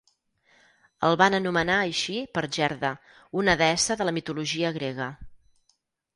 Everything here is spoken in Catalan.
El van anomenar així per Gerda, una deessa de la mitologia grega.